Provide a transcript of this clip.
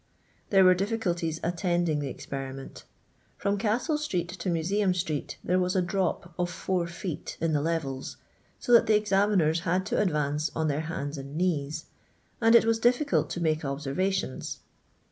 There were difficulties attending the experiment. From Castle street to Museum street there was a drop of 4 feet in the levels, so that the examiners had to advance on their hands and knees, and it was difficult to make observations.